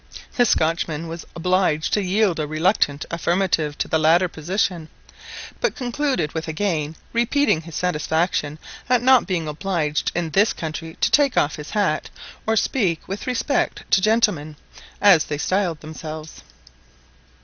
The Scotchman was obliged to yield a reluctant affirmative to the latter position; but concluded with again repeating his satisfaction at not being obliged in this country to take off his hat, or speak with respect to gentlemen, as they styled themselves.